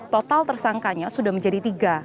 total tersangkanya sudah menjadi tiga